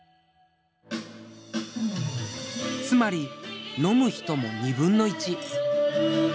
つまり飲む人も２分の１。